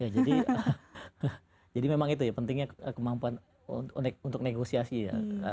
ya jadi memang itu ya pentingnya kemampuan untuk negosiasi ya